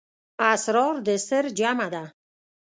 اسرار د سِر جمعه ده.